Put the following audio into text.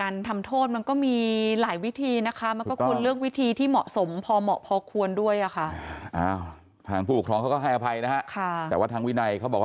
เเนี่ยครับบานตอนจะดุ่มเพราะว่าผมตกใจนะครับ